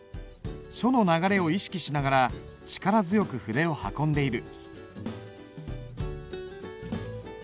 書の流れを意識しながら力強く筆を運んでいる。